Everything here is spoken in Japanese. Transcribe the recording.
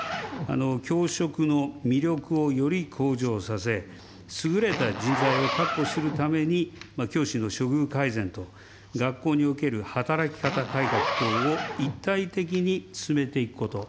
教職の魅力をより向上させ、優れた人材を確保するために、教師の処遇改善と、学校における働き方改革等を一体的に進めていくこと。